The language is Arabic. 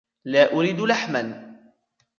لا أريد لحما.